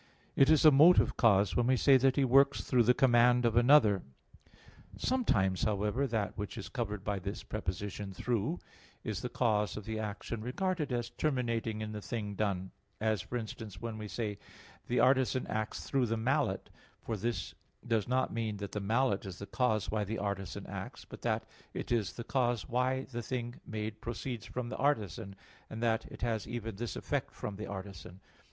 It is a motive cause when we say that he works through the command of another. Sometimes, however, that which is covered by this preposition "through" is the cause of the action regarded as terminated in the thing done; as, for instance, when we say, the artisan acts through the mallet, for this does not mean that the mallet is the cause why the artisan acts, but that it is the cause why the thing made proceeds from the artisan, and that it has even this effect from the artisan.